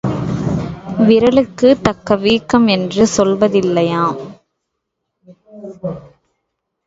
விரலுக்குத் தக்க வீக்கம் என்று சொல்வதில்லையா.